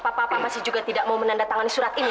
papa apa masih juga tidak mau menandatangani surat ini